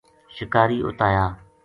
شکاری اُت آیا